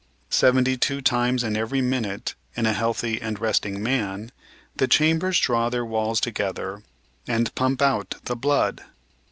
Seventy two times in every minute, in a healthy and resting man, the chambers draw their, walls together and pump out the blood.